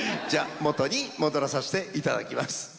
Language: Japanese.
じゃあ元に戻らさせていただきます。